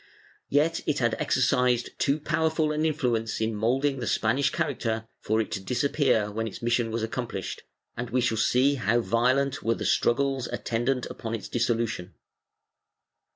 Yet it had exercised too powerful an influence in moulding the Spanish character for it to disappear when its mission was accomplished, and we shall see how violent were the struggles attendant upon its dissolution.